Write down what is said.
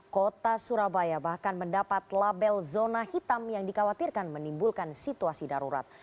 kota surabaya bahkan mendapat label zona hitam yang dikhawatirkan menimbulkan situasi darurat